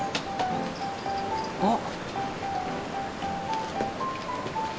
あっ。